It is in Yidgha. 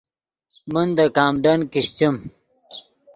من دے کامڈن کیشچیم